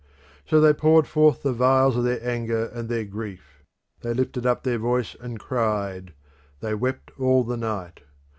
So they poured forth the vials of their anger and their grief. They lifted up their voice and cried; they wept all the night.